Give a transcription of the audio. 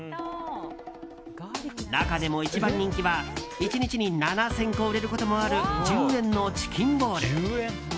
中でも一番人気は、１日に７０００個売れることもある１０円のチキンボール。